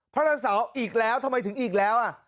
พระสาวอีกแล้วทำไมถึงอีกแล้วอ่ะ